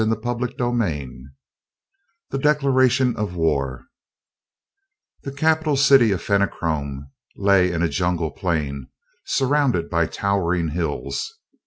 CHAPTER XIII The Declaration of War The capital city of the Fenachrone lay in a jungle plain surrounded by towering hills.